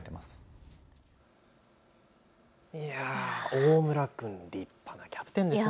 大村君、立派なキャプテンですね。